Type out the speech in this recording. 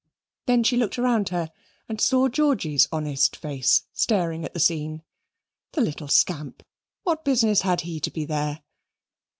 Then she looked round her and saw Georgy's honest face staring at the scene. The little scamp! What business had he to be there?